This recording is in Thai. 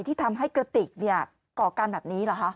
ที่ทำให้กระติก่อการแบบนี้เหรอคะ